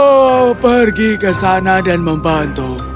ayo pergi ke sana dan membantu